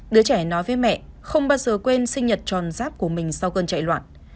đứa trẻ nói với mẹ không bao giờ quên sinh nhật tròn giáp của mình sau cơn chạy loạn